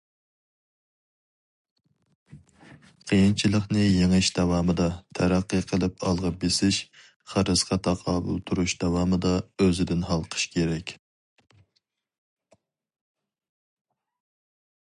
قىيىنچىلىقنى يېڭىش داۋامىدا تەرەققىي قىلىپ ئالغا بېسىش، خىرىسقا تاقابىل تۇرۇش داۋامىدا ئۆزىدىن ھالقىش كېرەك.